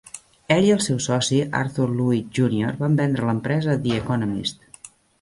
Ell i el seu soci, Arthur Levitt Junior, van vendre l'empresa a "The Economist".